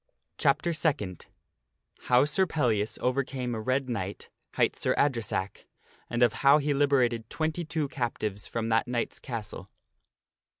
Chapter Second. How Sir Pellias Overcame a Red Knight, Higkt Sir Adresack, and of How He Liberated XXII Captives From That Knight's Castle.